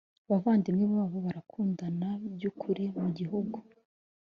bavandimwe babo barakundana by ukuri Mu gihugu